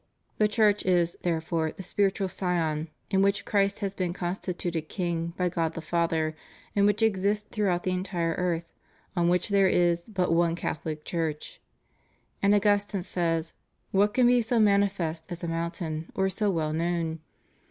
... The Church is, therefore, the spu itual Sion in which Christ has been constituted King by God the Father, and which exists throughout the entire earth, on which there is but one Catholic Church,"^ And Augustine says: "What can be so manifest as a mountain, or so well known?